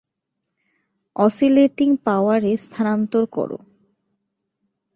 Oscillating পাওয়ারে স্থানান্তর করো।